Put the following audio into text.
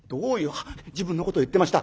「あっ自分のこと言ってました。